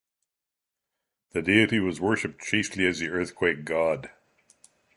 The deity was worshipped chiefly as the earthquake god.